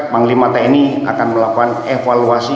panglima tni akan melakukan evaluasi